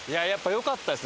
良かったです。